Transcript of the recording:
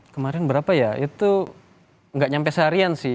kemarin berapa ya itu nggak sampai seharian sih